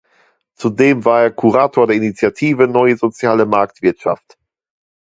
Zudem war er Kurator der Initiative Neue Soziale Marktwirtschaft.